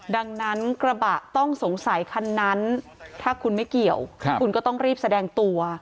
ดังนั้นกระบะต้องสงสัยคันนั้นถ้าคุณไม่เกี่ยวคุณก็ต้องรีบแสดงตัว